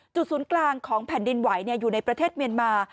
ศูนย์กลางของแผ่นดินไหวอยู่ในประเทศเมียนมา